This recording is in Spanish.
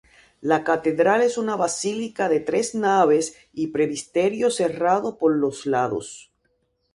La Catedral es una basílica de tres naves y presbiterio cerrado por los lados.